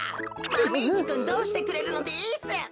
マメ１くんどうしてくれるのです？